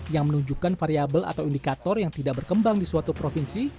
yang menunjukkan variable atau indikator yang tidak berkembang di suatu provinsi